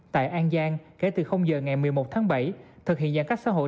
tại an giang kể từ giờ ngày một mươi một tháng bảy thực hiện giãn cách xã hội